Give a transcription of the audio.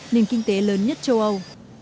nền kinh tế lớn nhất châu âu